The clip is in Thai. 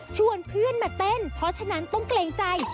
ชวนเพื่อนมาเต้นเพราะฉะนั้นต้องเกรงใจ